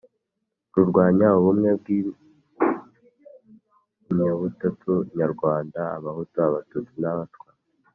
rurwanya ubumwe bw' inyabutatu nyarwanda (abahutu, abatutsi n' abatwa).